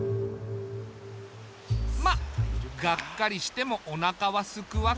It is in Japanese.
まあがっかりしてもおなかはすくわけで。